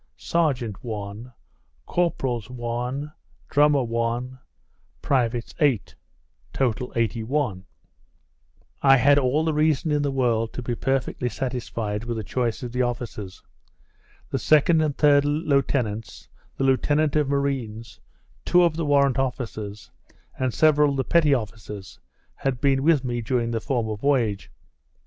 Serjeant (1) Corporals (1) Drummer (1) Privates (8) Total, 81 I had all the reason in the world to be perfectly satisfied with the choice of the officers. The second and third lieutenants, the lieutenant of marines, two of the warrant officers, and several of the petty officers, had been with me during the former voyage.